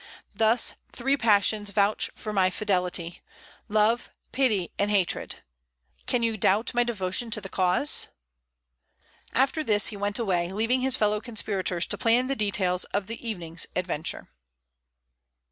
Thus, three passions vouch for my fidelity love, pity and hatred. Can you doubt my devotion to the cause?" After this he went away, leaving his fellow conspirators to plan the details of the evening's adventure.